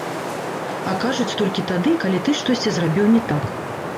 А кажуць толькі тады, калі ты штосьці зрабіў не так.